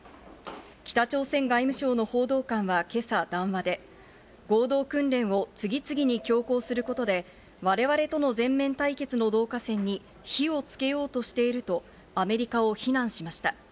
北朝鮮外務省の報道官は今朝談話で、合同訓練を次々に強行することで、我々との全面対決の導火線に火をつけようとしているとアメリカを非難しました。